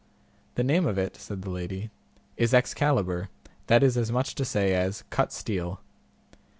The name of it, said the lady, is Excalibur, that is as much to say as Cut steel.